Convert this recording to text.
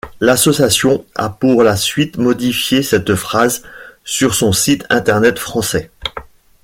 L'association a par la suite modifié cette phrase sur son site internet français.